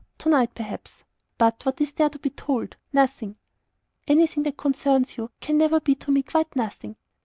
To night, perhaps. But, pshaw! what is there to be told? 'Nothing.'" "Anything that concerns you can never be to me quite 'nothing.'"